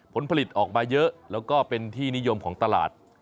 ผลผลิตออกมาเยอะแล้วก็เป็นที่นิยมของตลาด